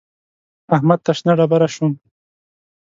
احمد ته شنه ډبره شوم.